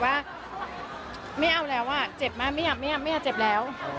ว่าไม่เอาแล้วอะเจ็บมากไม่ถามไม่ถามเจ็บแล้ว